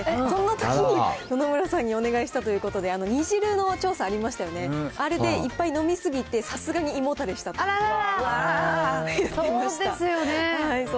そんなときに野々村さんにお願いしたということで、煮汁の調査ありましたよね、あれでいっぱい飲み過ぎて、さすがに胃もたれしたそうですよね。